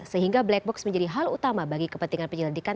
sehingga black box menjadi hal utama bagi kepentingan penyelidikan